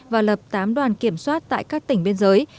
và lập tám đoàn kiểm soát tại các tỉnh biên giới